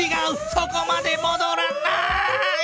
そこまでもどらない！